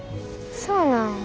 そうなんや。